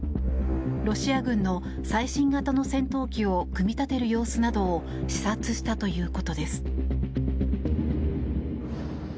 ロシア軍の最新型の戦闘機を組み立てる様子などを視察したということです。